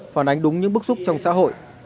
phản ánh đúng những bước xúc trong xã hội